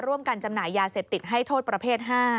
จำหน่ายยาเสพติดให้โทษประเภท๕